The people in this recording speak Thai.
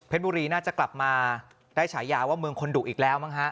บุรีน่าจะกลับมาได้ฉายาว่าเมืองคนดุอีกแล้วมั้งฮะ